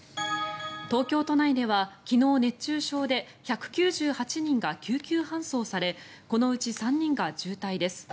東京都内では昨日、熱中症で１９８人が救急搬送されこのうち３人が重体です。